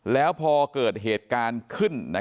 แล้วพอเกิดเหตุการณ์ขึ้น